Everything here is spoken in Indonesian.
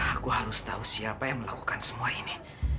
aku harus tahu siapa yang melakukan semua ini